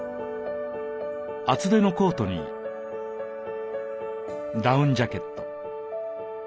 厚手のコートにダウンジャケット。